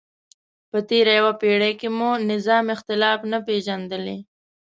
په تېره یوه پیړۍ کې مو نظام اختلاف نه پېژندلی.